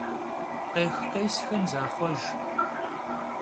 Khêx - khêsxem zaxhuejj.